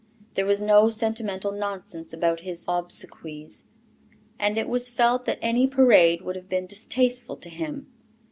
There was no sentimental nonsense about his obsequies; it was felt that any parade would have been distasteful to him.